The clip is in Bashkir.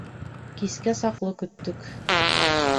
Кискә саҡлы көттөк.